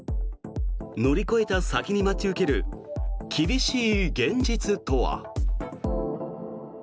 乗り越えた先に待ち受ける厳しい現実とは。